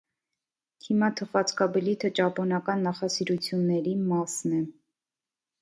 Հիմա թխվածքաբլիթը ճապոնական նախասիրությունների մասն է։